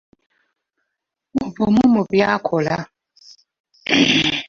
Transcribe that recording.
Muvumu mu by’akola